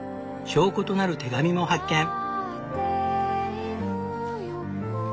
証拠となる手紙も発見！